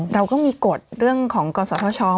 เราก็มีกฎเรื่องของกฎสาธาชาว